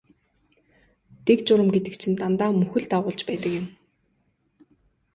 Дэг журам гэдэг чинь дандаа мөхөл дагуулж байдаг юм.